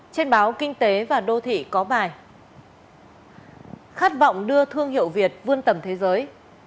trên báo kinh tế và đô thị có bài khát vọng đưa thương hiệu việt vươn tầm thế giới